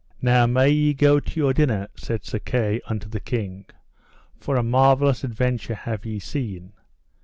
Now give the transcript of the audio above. Now may ye go to your dinner, said Sir Kay unto the king, for a marvellous adventure have ye seen.